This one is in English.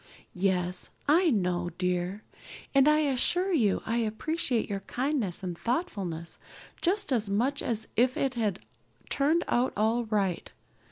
"Yes, I know, dear. And I assure you I appreciate your kindness and thoughtfulness just as much as if it had turned out all right.